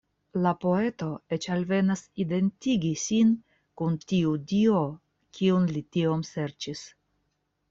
La poeto eĉ alvenas identigi sin kun tiu dio, kiun li tiom serĉis.